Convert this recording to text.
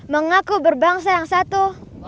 mengaku berbangsa yang satu